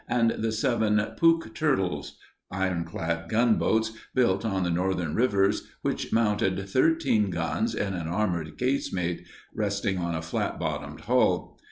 and the seven "Pook Turtles"—ironclad gunboats, built on the Northern rivers, which mounted 13 guns in an armored casemate resting on a flat bottomed hull.